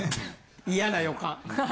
嫌な予感。